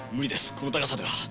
この高さでは。